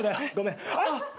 あっ。